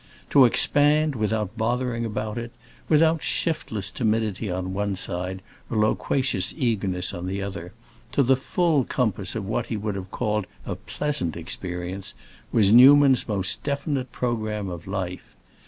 To expand, without bothering about it—without shiftless timidity on one side, or loquacious eagerness on the other—to the full compass of what he would have called a "pleasant" experience, was Newman's most definite programme of life.